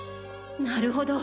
なるほど。